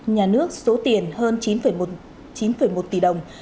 nhà nước số tiền hơn chín một tỷ đồng